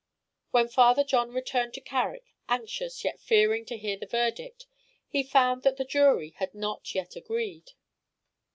When Father John returned to Carrick, anxious, yet fearing to hear the verdict, he found that the jury had not yet agreed.